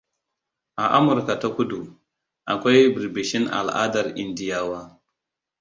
A Amurka ta Kudu, akwai birbishin al'adar Indiyawa.